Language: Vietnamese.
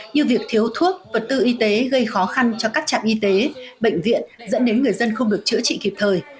như việc thiếu thuốc vật tư y tế gây khó khăn cho các trạm y tế bệnh viện dẫn đến người dân không được chữa trị kịp thời